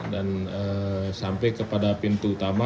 dan sampai kepada pintu utama